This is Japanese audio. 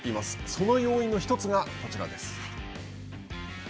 その要因の１つがこちらです。